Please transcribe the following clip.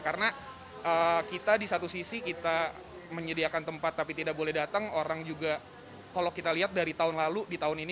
karena kita di satu sisi kita menyediakan tempat tapi tidak boleh datang orang juga kalau kita lihat dari tahun lalu di tahun ini